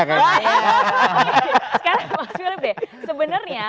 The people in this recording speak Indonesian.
sekarang mas willip deh sebenarnya